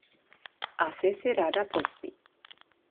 Asi si ráda pospí.